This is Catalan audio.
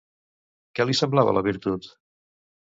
Què li semblava la virtut?